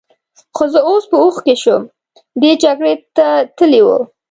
خو زه اوس په هوښ کې شوم، دی جګړې ته تلی و.